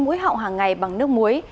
mũi họng hàng ngày bằng nước muối